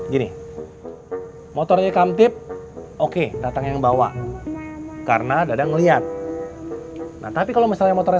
gini motornya kamtip oke datang yang bawa karena dadang melihat nah tapi kalau misalnya motornya